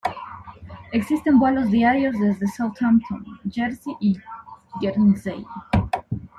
Existen vuelos diarios desde Southampton, Jersey y Guernsey.